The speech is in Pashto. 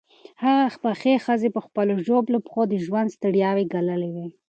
هغې پخې ښځې په خپلو ژوبلو پښو د ژوند ستړیاوې ګاللې وې.